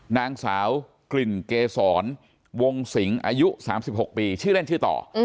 นางสาวกลิ่นเกษรวงสิงอายุ๓๖ปีชื่อเล่นชื่อต่อ